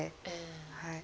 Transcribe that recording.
はい。